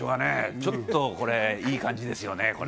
ちょっといい感じですよね。